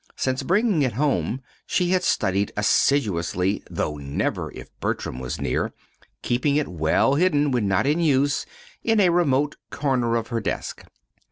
Since bringing it home she had studied assiduously (though never if Bertram was near), keeping it well hidden, when not in use, in a remote corner of her desk.